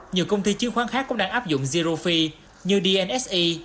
nhiều công ty chiến khoán khác cũng đang áp dụng zero fee như dnse